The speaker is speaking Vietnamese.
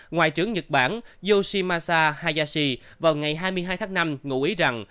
ngoại trưởng nhật bản yoshimasa hayashi vào ngày hai mươi hai tháng năm ngụ ý rằng